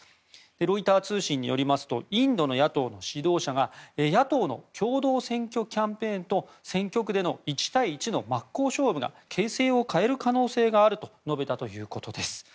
ロイター通信によりますとインドの野党の指導者が野党の共同選挙キャンペーンと選挙区での１対１の真っ向勝負が形勢を変える可能性があると述べたということです。